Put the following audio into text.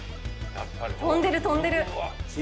跳んでる跳んでる。